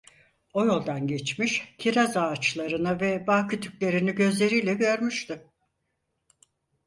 O yoldan geçmiş, kiraz ağaçlarını ve bağ kütüklerini gözleriyle görmüştü…